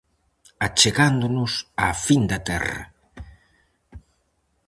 Achegándonos á fin da terra.